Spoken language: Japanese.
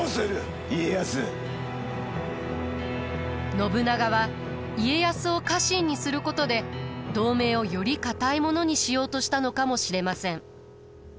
信長は家康を家臣にすることで同盟をより固いものにしようとしたのかもしれません。